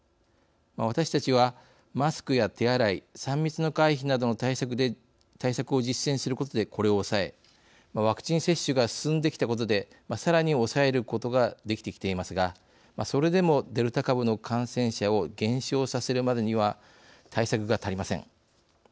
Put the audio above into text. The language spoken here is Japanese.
私たちは、マスクや手洗い３密の回避などの対策を実践することで、これを抑えワクチン接種が進んできたことでさらに抑えることができてきていますがそれでも、デルタ株の感染者を減少させるまでには対策が足りません。